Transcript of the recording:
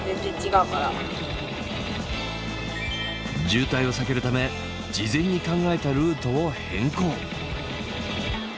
渋滞を避けるため事前に考えたルートを変更。